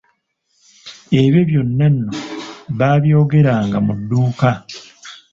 Ebyo byonna nno baabyogeranga mu dduuka.